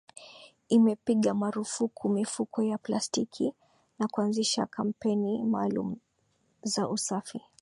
Imepiga marufuku mifuko ya plastiki na kuanzisha kampeni maalumu za usafi